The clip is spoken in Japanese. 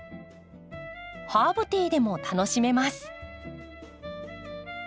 ハーブティーでも楽しめます。